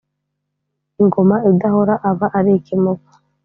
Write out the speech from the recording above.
Ingoma idahora aba ari ikimuga